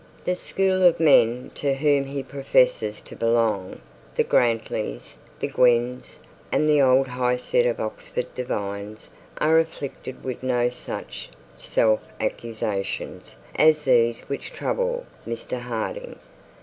The school of men to whom he professes to belong, the Grantlys, the Gwynnes, and the old high set of Oxford divines, are afflicted with no such self accusations as these which troubled Mr Harding.